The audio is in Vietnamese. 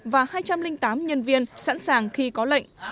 và hai trăm linh tám nhân viên sẵn sàng khi có lệnh